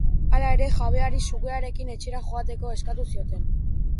Hala ere, jabeari sugearekin etxera joateko eskatu zioten.